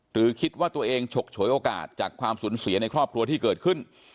หรือคิดว่าตัวเองฉกฉวยโอกาสจากความสูญเสียในครอบครัวที่เกิดขึ้น